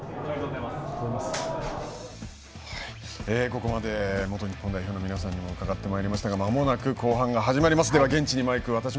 ここまで元日本代表の皆さんに伺ってまいりましたがまもなく後半が始まりますからでは現地です。